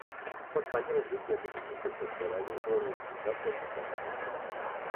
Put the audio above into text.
Pertany al Grup de música contemporània de la Universitat de Buffalo.